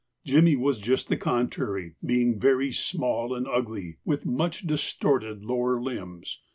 Jimmy was just the contrary, being very small and ugly, with much distorted lower limbs.